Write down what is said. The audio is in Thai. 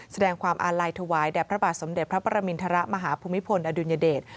แสดงความอาลัยถวายแด่พระบาทสมเด็จพระประมินทรมาฮภูมิพลอดุลยเดช